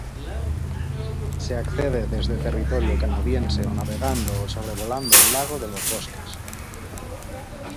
Se accede desde territorio canadiense o navegando o sobrevolando el lago de los Bosques.